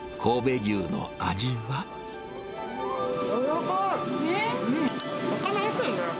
柔らかい。